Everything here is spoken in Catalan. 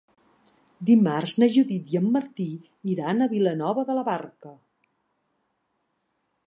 Dimarts na Judit i en Martí iran a Vilanova de la Barca.